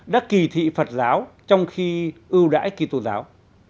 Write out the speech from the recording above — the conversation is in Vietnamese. đã kỳ thị phật giáo trong khi ưu đãi kỳ tôn giáo